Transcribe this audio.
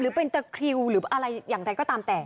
หรือเป็นตะคริวหรืออะไรอย่างใดก็ตามแต่